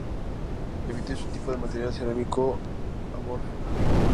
El vidrio es un tipo de material cerámico amorfo.